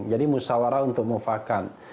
jadi musyawarah untuk mufakat